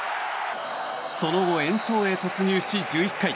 その後、延長へ突入し１１回。